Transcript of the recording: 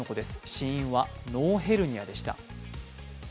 死因は脳ヘルニアでした。